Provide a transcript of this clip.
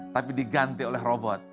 tapi diganti oleh robot